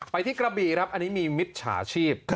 ไปที่กระบีครับอันนี้มีมิจฉาชีพ